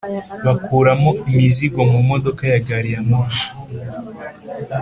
bakuramo imizigo mumodoka ya gari ya moshi.